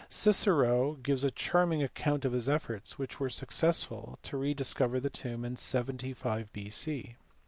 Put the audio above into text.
Cicero* gives a charming account of his efforts (which were successful) to re discover the tomb in 75 B.C.